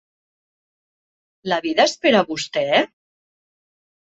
La vida és per a vostè?